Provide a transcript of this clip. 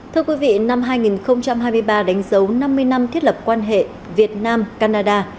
thưa quý vị năm hai nghìn hai mươi ba đánh dấu năm mươi năm thiết lập quan hệ việt nam canada